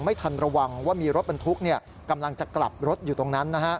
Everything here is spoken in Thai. ไม่ทันระวังว่ามีรถบรรทุกกำลังจะกลับรถอยู่ตรงนั้น